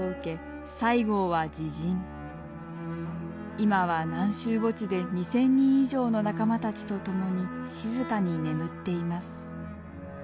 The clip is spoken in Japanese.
今は南洲墓地で２，０００人以上の仲間たちと共に静かに眠っています。